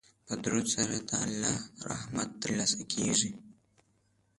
په درود سره د الله رحمت ترلاسه کیږي.